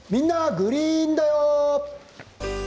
グリーンだよ」。